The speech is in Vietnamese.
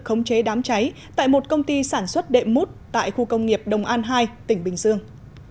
khống chế đám cháy tại một công ty sản xuất đệm mút tại khu công nghiệp đồng an hai tỉnh bình dương